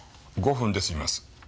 ５分で済みます。